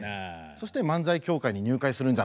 そして漫才協会に入会するんじゃ。